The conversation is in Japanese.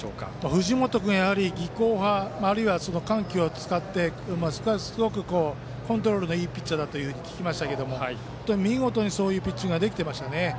藤本君は技巧派で緩急を使ってすごくコントロールがいいピッチャーだと聞いていましたが見事にそういうピッチングができていましたね。